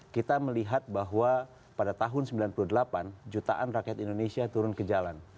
kita melihat bahwa pada tahun sembilan puluh delapan jutaan rakyat indonesia turun ke jalan